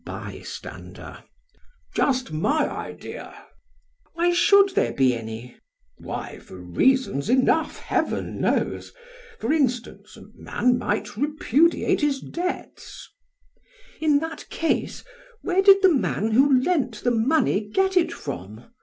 BYSTANDER. Just my idea! PRAX. Why should there be any? BLEPS. Why! for reasons enough, heaven knows! For instance, a man might repudiate his debts. PRAX. In that case, where did the man who lent the money get it from?